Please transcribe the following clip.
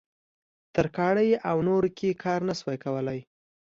ترکاڼۍ او نورو کې کار نه شوای کولای.